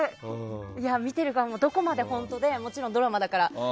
見てる側もどこまで本当でもちろん、ドラマだから。